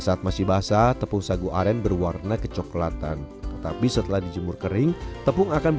saat masih basah tepung sagu aren berwarna kecoklatan tetapi setelah dijemur kering tepung akan